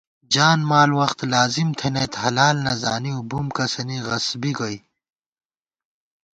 جان مال وخت لازِم تھنَئیت حلال نہ زانِؤ بُم کسَنی غصبی گوئی